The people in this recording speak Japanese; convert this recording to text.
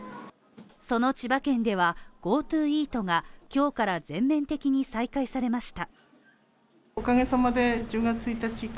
その千葉県ではＧｏＴｏイートが今日から全面的に再開されました。